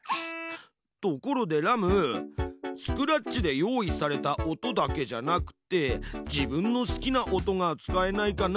ところでラムスクラッチで用意された音だけじゃなくて自分の好きな音が使えないかな？